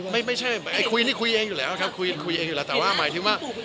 ไม่ใช่ไอ้คุยนี่คุยเองอยู่แล้วครับคุยคุยเองอยู่แล้วแต่ว่าหมายถึงว่า